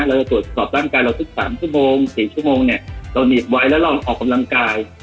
เราจะสดสอบร่างกาย๓๔ชั่วโมงติดไว้แล้วเราออกกำลังกาย